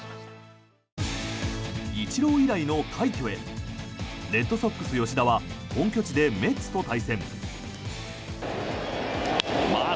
イチロー以来の快挙へレッドソックス吉田は本拠地でメッツと対戦。